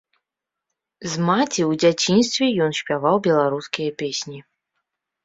З маці ў дзяцінстве ён спяваў беларускія песні.